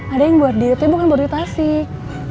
ada yang bordir tapi bukan bordir tasik